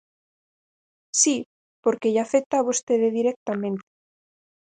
Si, porque lle afecta a vostede directamente.